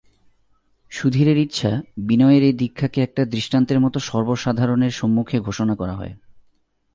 সুধীরের ইচ্ছা, বিনয়ের এই দীক্ষাকে একটা দৃষ্টান্তের মতো সর্বসাধারণের সম্মুখে ঘোষণা করা হয়।